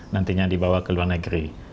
nantinya dibawa ke luar negeri